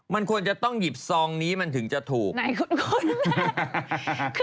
มันควรจะต้องหยิบซองนี้มันถึงจะถูกไหน